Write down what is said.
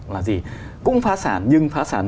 là gì cũng phá sản nhưng phá sản